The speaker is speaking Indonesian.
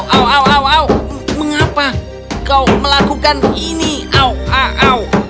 au au au au mengapa kau melakukan ini au au au